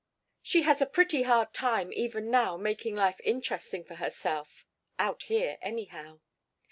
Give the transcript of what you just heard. She has a pretty hard time even now making life interesting for herself out here, anyhow.